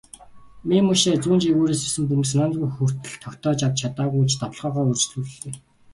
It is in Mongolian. Мемушай зүүн жигүүрээс ирсэн бөмбөгийг санаандаа хүртэл тогтоож авч чадаагүй ч довтолгоогоо үргэлжлүүллээ.